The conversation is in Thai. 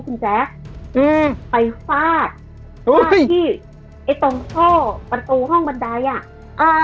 คุณแจ๊คอืมไปฟาดฟาดที่ไอ้ตรงท่อประตูห้องบันไดอ่ะอ่า